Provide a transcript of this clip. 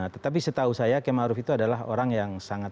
tetapi setahu saya km arief itu adalah orang yang sangat